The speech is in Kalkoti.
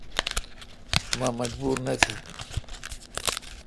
مہ مجبور نہ تھ۔